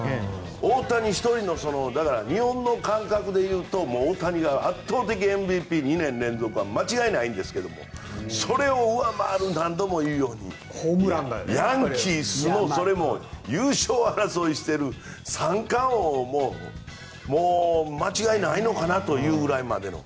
大谷１人の日本の感覚でいうともう大谷が圧倒的ＭＶＰ２年連続は間違いないんですがそれを上回る何度も言うようにヤンキースのそれも優勝争いしている３冠王ももう間違いないのかなというぐらいまでの。